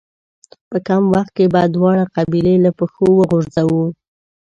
په کم وخت کې به دواړه قبيلې له پښو وغورځوو.